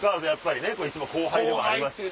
一番後輩でもありますし。